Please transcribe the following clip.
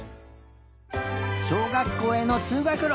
しょうがっこうへのつうがくろ